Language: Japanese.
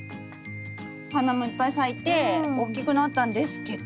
お花もいっぱい咲いて大きくなったんですけど。